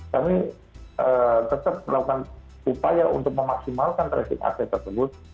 kami tetap melakukan upaya untuk memaksimalkan tracing aset tersebut